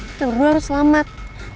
kita berdua harus selamat